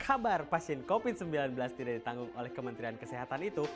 kabar pasien covid sembilan belas tidak ditanggung oleh kementerian kesehatan itu